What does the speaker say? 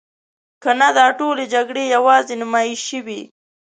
کنه دا ټولې جګړې یوازې نمایشي وي.